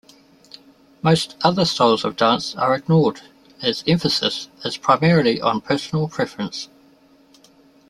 Most other styles of dance are ignored as emphasis is primarily on personal preference.